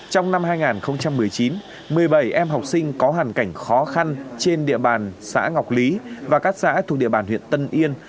trong năm hai nghìn một mươi chín một mươi bảy em học sinh có hàn cảnh khó khăn trên địa bàn xã ngọc lý và các xã thuộc địa bàn huyện tân yên